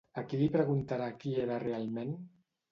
A qui li preguntarà qui era realment?